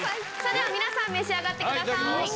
では皆さん召し上がってください。